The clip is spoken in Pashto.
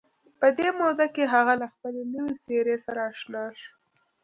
په دې موده کې هغه له خپلې نوې څېرې سره اشنا شو